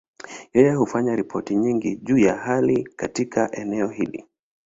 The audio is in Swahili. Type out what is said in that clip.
Yeye hufanya ripoti nyingi juu ya hali katika eneo hili.